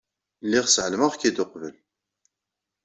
Lliɣ ssɛelmeɣ-k-id uqbel.